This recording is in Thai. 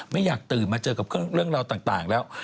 ไม่อยากตื่นมาเจอกับเรื่องราวต่างแล้ว